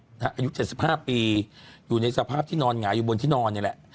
อายุ๗๕ปีอยู่ในสภาพที่นอนหงายอยู่บนที่นอนนี่แหละ